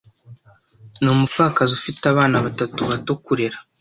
Ni umupfakazi ufite abana batatu bato kurera.